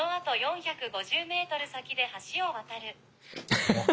ハハハハ。